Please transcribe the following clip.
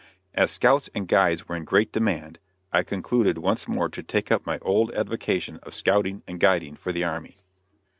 As scouts and guides were in great demand, I concluded once more to take up my old avocation of scouting and guiding for the army.